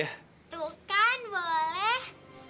tuh kan boleh